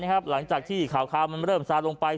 หลังจากที่ข่าวมันเริ่มซาลงไป